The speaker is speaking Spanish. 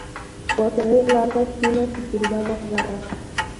Posee largas, finas y curvadas garras.